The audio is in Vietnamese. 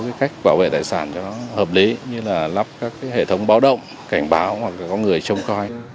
có cách bảo vệ tài sản cho nó hợp lý như là lắp các hệ thống báo động cảnh báo hoặc là có người chống coi